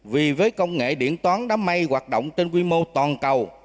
vì với công nghệ điện toán đám mây hoạt động trên quy mô toàn cầu